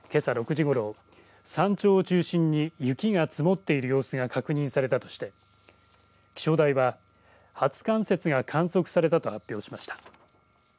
６時ごろ山頂を中心に雪が積もっている様子が確認されたとして、気象台は初冠雪が観測されたと発表しました。